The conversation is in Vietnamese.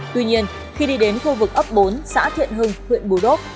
tuy nhiên khi đi đến khu vực ấp bốn xã thiện hưng huyện bù đốc